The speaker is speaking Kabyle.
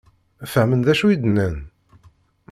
Fehmen d acu i d-nnan?